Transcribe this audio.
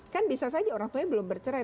kan bisa saja orang tuanya belum bercerai